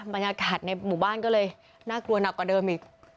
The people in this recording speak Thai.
บรรยากาศในหมู่บ้านก็เลยน่ากลัวหนักกว่าเดิมอีก